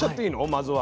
まずは。